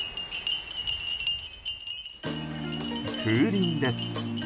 風鈴です。